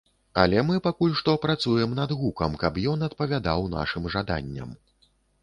Але мы пакуль што працуем над гукам, каб ён адпавядаў нашым жаданням.